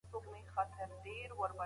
ارزښت سته.